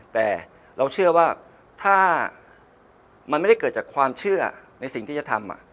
แต่เราเชื่อว่าถ้ามันไม่ได้เกิดจากความเชื่อในสิ่งที่จะทำ